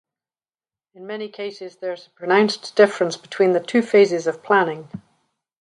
In many cases there is a pronounced difference between the two phases of planning.